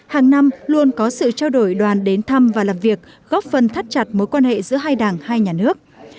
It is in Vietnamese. hàng năm luôn có sự trao đổi đoàn đến thăm và làm việc góp phần thắt chặt mối quan hệ giữa hai đảng hai nhà nước